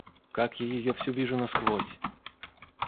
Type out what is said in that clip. Как я ее всю вижу насквозь!